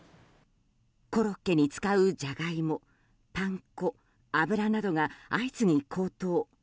コロッケに使うジャガイモ、パン粉、油などが相次ぎ高騰。